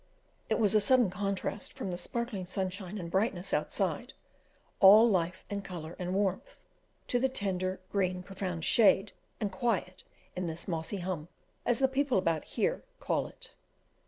It was a sudden contrast from the sparkling sunshine and brightness outside, all life and colour and warmth, to the tender, green, profound shade and quiet in this "Mossy Hum," as the people about here call it.